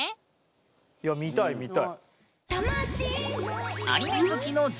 いや見たい見たい。